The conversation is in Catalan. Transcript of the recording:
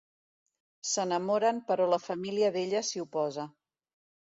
S'enamoren però la família d'ella s'hi oposa.